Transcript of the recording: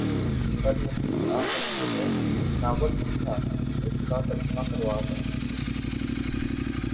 پر نسیب آفندی نے ناول لکھا، اس کا ترجمہ کروا کے